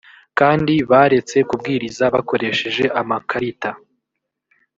kandi baretse kubwiriza bakoresheje amakarita